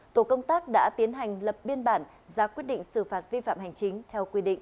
tổ công tác đã tiến hành lập biên bản ra quyết định xử phạt vi phạm hành chính